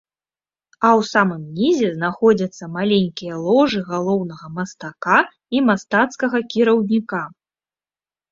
А ў самым нізе знаходзяцца маленькія ложы галоўнага мастака і мастацкага кіраўніка.